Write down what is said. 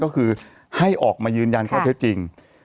ก็คือให้ออกมายืนยันข้อเท็จจริง